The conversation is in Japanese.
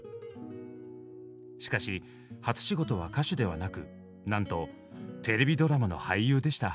しかし初仕事は歌手ではなくなんとテレビドラマの俳優でした。